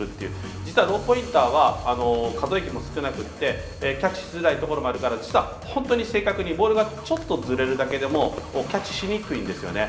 実はローポインターは可動域も少なくてキャッチしづらいところもあるから、本当に正確にボールがちょっとずれるだけでもキャッチしにくいんですよね。